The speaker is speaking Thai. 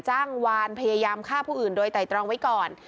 จ้างวานพยายามฆ่าผู้อื่นโดยไตรตรองไว้ก่อน